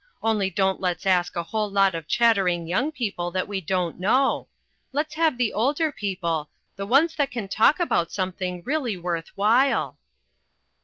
Only don't let's ask a whole lot of chattering young people that we don't know; let's have the older people, the ones that can talk about something really worth while."